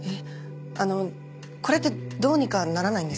あのこれってどうにかならないんですか？